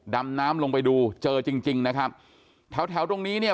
ดำน้ำลงไปดูเจอจริงจริงนะครับแถวแถวตรงนี้เนี่ย